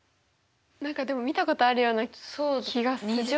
何かでも見たことあるような気がする。